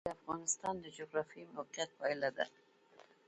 غزني د افغانستان د جغرافیایي موقیعت پایله ده.